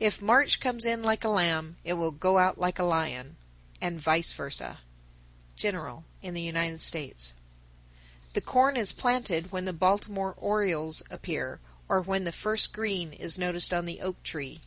_ 948. If March comes in like a lamb, it goes out like a lion, and vice versa. General in the United States. 949. The corn is planted when the Baltimore orioles appear, or when the first green is noticed on the oak trees.